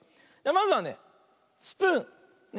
まずはね「スプーン」。ね。